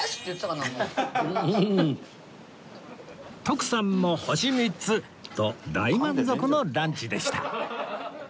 徳さんも「星３つ」と大満足のランチでした